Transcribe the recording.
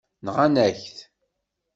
Nɣant-ak-t.